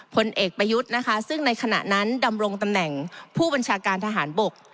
ผลเอกประยุทธ์นะคะซึ่งในขณะนั้นดำรงตำแหน่งผู้บัญชาการทหารบก